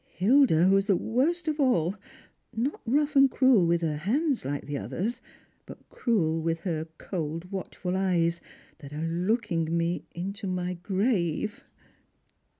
Hilda, who is the worst of all — not rough and cruel with her hands like the others — but cruel with her cold watchful eyes, that are looking me into my grave."